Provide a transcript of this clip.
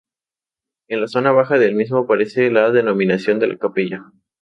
En la zona baja del mismo aparece la denominación de la Capilla.